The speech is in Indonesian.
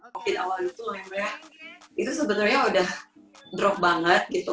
covid awal itu sebenarnya udah drop banget gitu